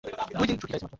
শোনো, টম!